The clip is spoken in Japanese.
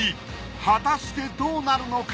果たしてどうなるのか！？